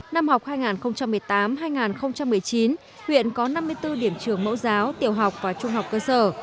năm học hai nghìn một mươi tám hai nghìn một mươi chín huyện có năm mươi bốn điểm trường mẫu giáo tiểu học và trung học cơ sở